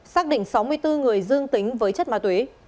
xác định sáu mươi bốn người dương tính với chất ma túy